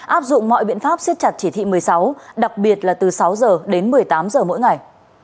áp dụng mọi biện pháp siết chặt chỉ thị một mươi sáu đặc biệt là từ sáu h đến một mươi tám giờ mỗi ngày